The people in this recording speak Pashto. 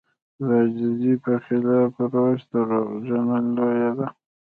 د عاجزي په خلاف روش دروغجنه لويي ده.